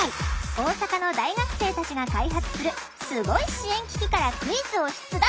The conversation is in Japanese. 大阪の大学生たちが開発するスゴい支援機器からクイズを出題！